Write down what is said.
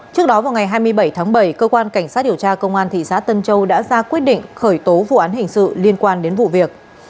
trước đó vào ngày hai mươi bảy tháng bảy cơ quan cảnh sát điều tra công an thị xã tân châu đã ra quyết định khởi tố vụ án hình sự liên quan đến vụ việc